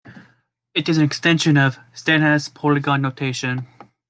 It is an extension of Steinhaus's polygon notation.